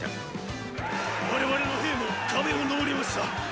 我々の兵も壁を登りました！